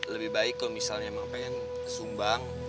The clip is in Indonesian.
lebih baik kalau misalnya emang pengen sumbang